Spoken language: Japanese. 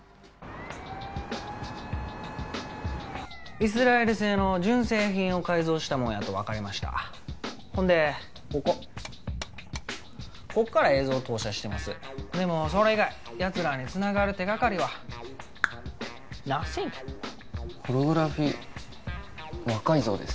イスラエル製の純正品を改造したもんやと分かりましたほんでこここっから映像を投射してますでもそれ以外やつらにつながる手掛かりはナッシングホログラフィー魔改造です